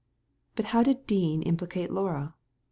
" But how did Dean implicate Laura